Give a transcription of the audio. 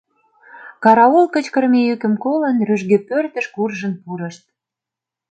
Караул кычкырыме йӱкым колын, рӱжге пӧртыш куржын пурышт.